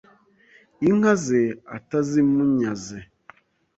Inka ze atazimunyaze